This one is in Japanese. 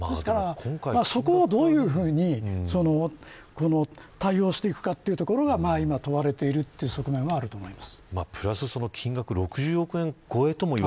そこをどういうふうに対応していくかというところが今、問われているという側面があると思います。